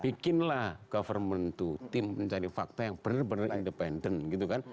bikinlah government to tim pencari fakta yang benar benar independen gitu kan